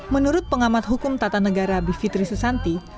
menurut pengamat hukum tata negara bivitri susanti